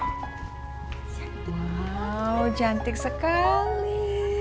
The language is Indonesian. wow cantik sekali